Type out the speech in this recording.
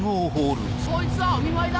そいつはお見舞いだ！